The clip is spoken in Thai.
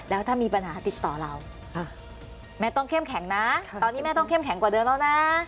แล้วถ้ามีปัญหาติดต่อเราแม่ต้องเข้มแข็งนะตอนนี้แม่ต้องเข้มแข็งกว่าเดิมแล้วนะ